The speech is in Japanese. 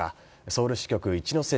ソウル支局一之瀬